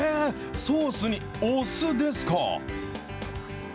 ソースにお酢ですか？